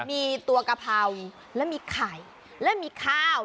มีตัวกะเพราและมีไข่และมีข้าว